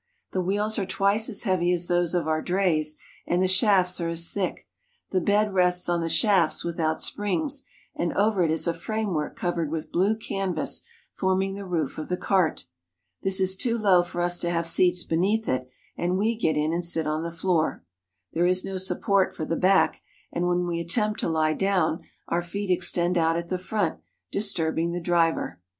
The wheels are twice as heavy as those of our drays, and the shafts are as thick. The bed rests on the shafts without springs, and over it is a framework covered with blue canvas forming the roof of the cart. This is too low for us to have seats beneath it, and we get in and sit on the floor. There is no support for the back, and when we attempt to lie down, our feet extend out at the front, disturbing the driver.